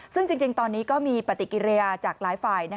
ซึ่งจริงตอนนี้ก็มีปฏิกิริยาจากหลายฝ่าย